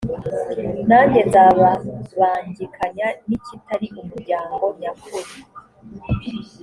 nanjye nzababangikanya n’ikitari umuryango nyakuri.